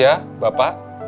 selamat ya bapak